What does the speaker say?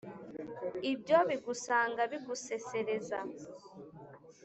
ibyo bigusanga bigusesereza